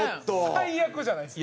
最悪じゃないですか。